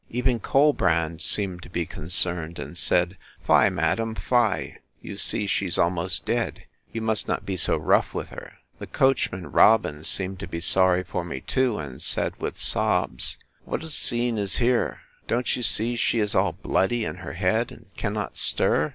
Even Colbrand seemed to be concerned, and said, Fie, madam, fie! you see she is almost dead! You must not be so rough with her. The coachman Robin seemed to be sorry for me too, and said, with sobs, What a scene is here! Don't you see she is all bloody in her head, and cannot stir?